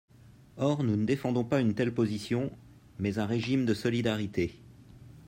Or nous ne défendons pas une telle position, mais un régime de solidarité.